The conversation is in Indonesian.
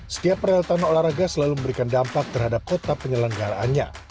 setiap peralatan olahraga selalu memberikan dampak terhadap kota penyelenggaraannya